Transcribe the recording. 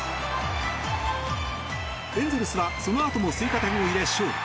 エンゼルスはそのあとも追加点を入れ勝利。